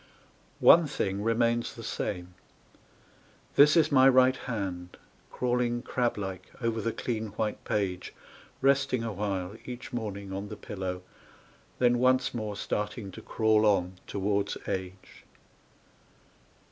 One thing remains the same this is my right hand Crawling crab like over the clean white page, Resting awhile each morning on the pillow, Then once more starting to crawl on towards age.